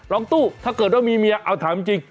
ร้องตู้ถ้าเกิดว่ามีเมียเอาถามจริง